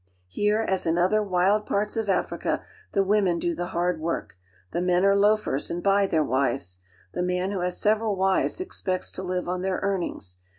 Here as in other wild parts of Africa the women do the hard work. The men are loafers and buy their wives; the man who has several wives expects to live on their earnings.